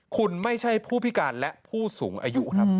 คุณไม่ใช่ผู้พิการและผู้สูงอายุครับ